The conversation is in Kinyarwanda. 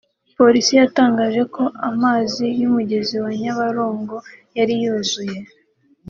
Polisi yatangaje ko amazi y’umugezi wa Nyabarongo yari yuzuye